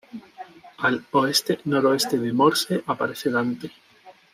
Al oeste-noroeste de Morse aparece Dante.